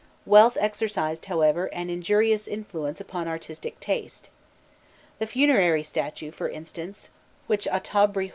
Wealth exercised, however, an injurious influence upon artistic taste. The funerary statue, for instance, which Aûtûabrî I.